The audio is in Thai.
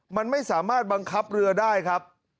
มันไม่สามารถบังคับเรือได้ครับ